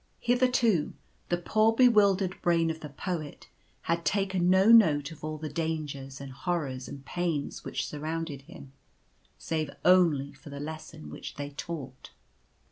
Hitherto the poor bewildered brain of the Poet had taken no note of all the dangers, and horrors, and pains which surrounded him — save only for the lesson which they taught.